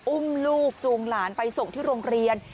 อุ้มลูกจูงหลานไปส่งที่โรงเรียน